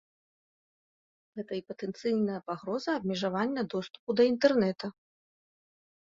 Гэта і патэнцыйная пагроза абмежавання доступу да інтэрнэта.